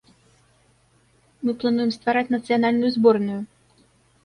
Мы плануем ствараць нацыянальную зборную.